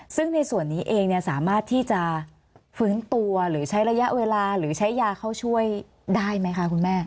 ซึ่งในส่วนนี้เองสามารถที่จะฟื้นตัวหรือใช้ระยะเวลาหรือใช้ยาเข้าช่วยได้ไหมคะคุณแม่